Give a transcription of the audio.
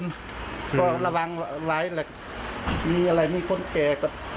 พอระวังไว้มีอะไรมีคนแก่